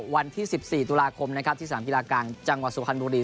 วันที่๑๔ตุลาคมนะครับที่สนามกีฬากลางจังหวัดสุพรรณบุรี